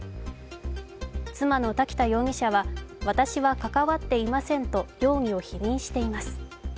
妻の瀧田容疑者は私は関わっていませんと容疑を否認しています。